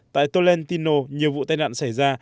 tại tolentino nhiều vụ tai nạn xảy ra